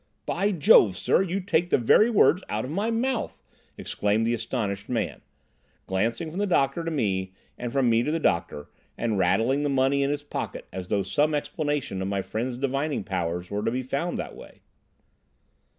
"By Jove, sir, you take the very words out of my mouth!" exclaimed the astonished man, glancing from the doctor to me and from me to the doctor, and rattling the money in his pocket as though some explanation of my friend's divining powers were to be found that way.